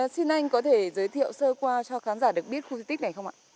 xin anh có thể giới thiệu sơ qua cho khán giả được biết khu di tích này không ạ